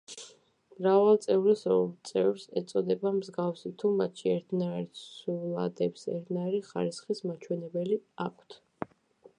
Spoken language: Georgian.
მრავალწევრის ორ წევრს ეწოდება მსგავსი, თუ მათში ერთნაირ ცვლადებს ერთნაირი ხარისხის მაჩვენებლები აქვთ.